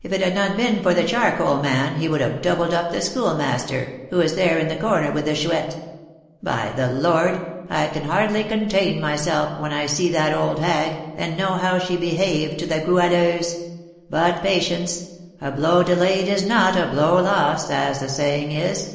If it had not been for the charcoal man, he would have 'doubled up' the Schoolmaster, who is there in the corner with the Chouette. By the Lord! I can hardly contain myself, when I see that old hag, and know how she behaved to the Goualeuse, but patience, 'a blow delayed is not a blow lost,' as the saying is."